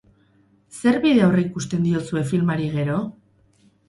Zer bide aurreikusten diozue filmari gero?